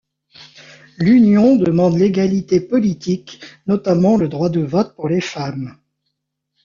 L'Union demande l'égalité politique, notamment le droit de vote pour les femmes.